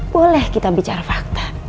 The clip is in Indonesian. boleh kita bicara fakta